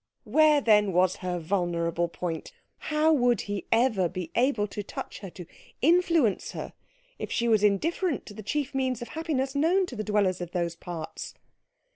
Where, then, was her vulnerable point? How would he ever be able to touch her, to influence her, if she was indifferent to the chief means of happiness known to the dwellers in those parts?